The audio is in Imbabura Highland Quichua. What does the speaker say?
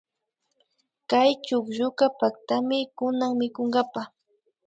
Kay chuklluka paktami kunan mikunkapa